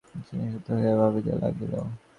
আশা নিস্তব্ধ হইয়া ভাবিতে লাগিল।